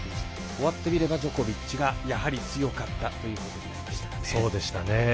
終わってみれば、ジョコビッチがやはり強かったということになりましたかね。